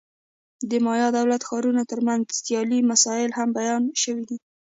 د مایا دولت-ښارونو ترمنځ سیالۍ مسایل هم بیان شوي دي.